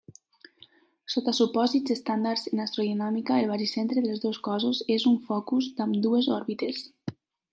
Sota supòsits estàndards en astrodinàmica el baricentre dels dos cossos és un focus d'ambdues òrbites.